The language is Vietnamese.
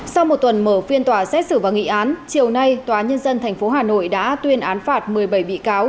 sau một tuần mở phiên tòa xét xử và nghị án chiều nay tòa nhân dân tp hà nội đã tuyên án phạt một mươi bảy bị cáo